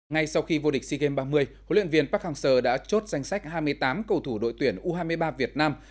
ngay sau khi vô địch sea games ba mươi huấn luyện viên park hang seo đã chốt danh sách hai mươi tám cầu thủ đội tuyển u hai mươi ba việt nam